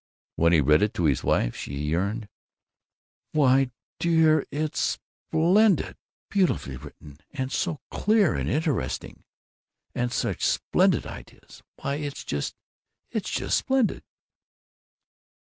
When he read it to his wife she yearned, "Why, dear, it's splendid; beautifully written, and so clear and interesting, and such splendid ideas! Why, it's just it's just splendid!"